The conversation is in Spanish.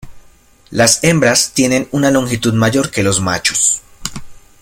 La hembras tienen una longitud mayor que los machos.